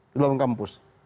di dalam kampus